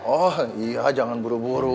oh iya jangan buru buru